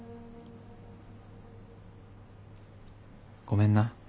ごめんな。